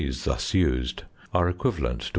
thus used are equivalent to 1.